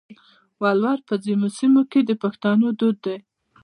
ولور په ځینو سیمو کې د پښتنو دود دی.